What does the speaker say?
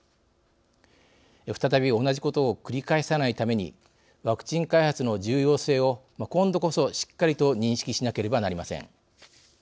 再び同じことを繰り返さないためにワクチン開発の重要性を今度こそ、しっかりと認識しなければなりません。